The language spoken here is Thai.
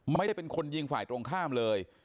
ไม่ได้เป็นคนยิงฝ่ายตรงข้ามเลย